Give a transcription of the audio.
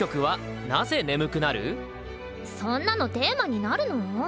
そんなのテーマになるの？